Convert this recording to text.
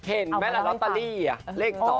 เห็นมั้ยลอตเตอรี่เลข๒นั่งน่ะเออ